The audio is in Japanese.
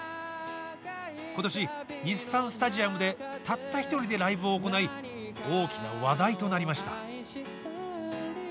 今年、日産スタジアムでたった一人でライブを行い大きな話題となりました。